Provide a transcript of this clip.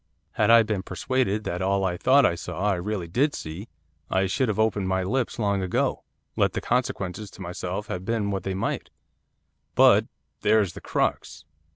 Had I been persuaded that all I thought I saw, I really did see, I should have opened my lips long ago, let the consequences to myself have been what they might. But there is the crux.